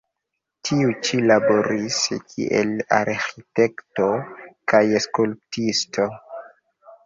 Tiu ĉi laboris kiel arĥitekto kaj skulptisto.